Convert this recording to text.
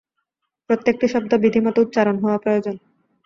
প্রত্যেকটি শব্দ বিধিমত উচ্চারণ হওয়া প্রয়োজন।